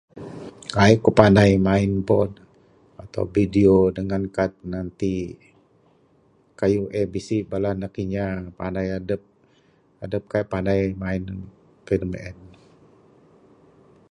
Kaik ku panai main boat, atau bideo dengan card ti. Kayuh eh bisi bala anak inya panai adep, adep kaik panai main kayuh da meng en.